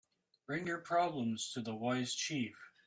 Bring your problems to the wise chief.